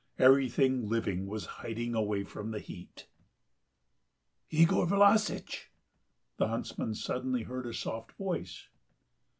everything living was hiding away from the heat. "Yegor Vlassitch!" the huntsman suddenly heard a soft voice.